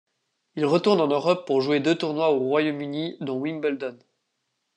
Il retourne en Europe pour jouer deux tournois au Royaume-Uni dont Wimbledon.